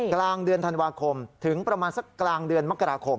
กลางเดือนธันวาคมถึงประมาณสักกลางเดือนมกราคม